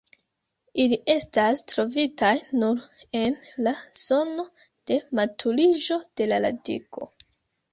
Ili estas trovitaj nur en la zono de maturiĝo de la radiko.